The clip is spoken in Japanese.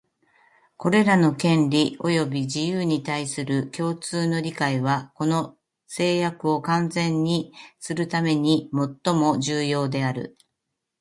これらの権利及び自由に対する共通の理解は、この誓約を完全にするためにもっとも重要である